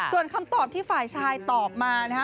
ส่วนคำตอบที่ฝ่ายชายตอบมานะคะ